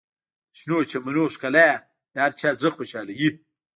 د شنو چمنونو ښکلا د هر چا زړه خوشحالوي.